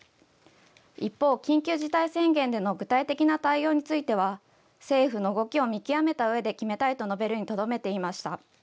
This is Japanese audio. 一方、緊急事態宣言での具体的な対応については政府の動きを見極めたうえで決めたいと述べるにとどめていました。